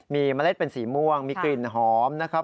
มีเมล็ดเป็นสีม่วงมีกลิ่นหอมนะครับ